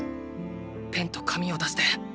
ペンと紙を出して。